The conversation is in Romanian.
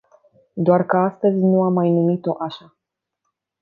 Doar că astăzi nu am mai numi-o așa.